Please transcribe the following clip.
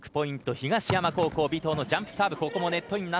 東山高校尾藤のジャンプサーブ。